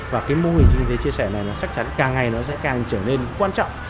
và cái mô hình kinh tế chia sẻ này nó chắc chắn càng ngày nó sẽ càng trở nên quan trọng